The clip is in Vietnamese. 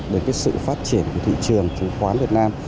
đến cái sự phát triển của thị trường chứng khoán việt nam